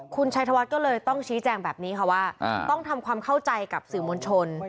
คุณชัยธวัฒน์ก็เลยต้องชี้แจงแบบนี้ค่ะว่าต้องทำความเข้าใจกับสื่อมวลชน